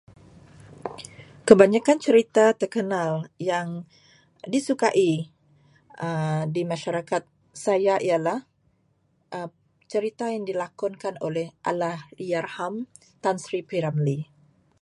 Kebanyakan cerita terkenal yang disukai di masyarakat saya ialah cerita yang dilakonkan oleh Allahyarham Tan Sri P. Ramlee.